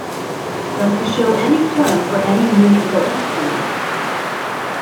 Does he show any turn for any musical instrument?